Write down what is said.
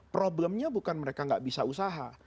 problemnya bukan mereka nggak bisa usaha